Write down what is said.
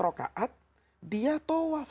empat rokaat dia tawaf